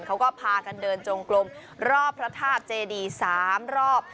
เขาก็พากันเดินจงกลมรอบพระธาตุเจดี๓รอบ